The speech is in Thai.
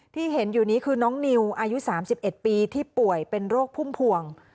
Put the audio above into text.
ที่เห็นอยู่นี้คือน้องนิวอายุ๓๑ปีที่ป่วยเป็นโรคพุ่มพวง